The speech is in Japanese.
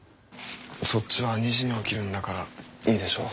そっちは２時に起きるんだからいいでしょう。